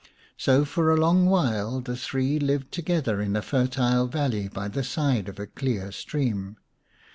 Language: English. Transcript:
So for a long while the three lived together in a fertile valley by the side of a clear stream.